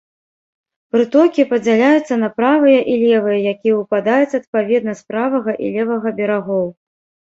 Прытокі падзяляюцца на правыя і левыя, якія ўпадаюць адпаведна з правага і левага берагоў.